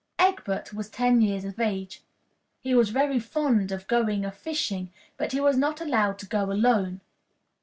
Egbert was ten years of age. He was very fond of going a fishing, but he was not allowed to go alone.